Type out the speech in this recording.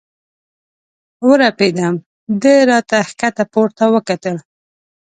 ورپېدم، ده را ته ښکته پورته وکتل.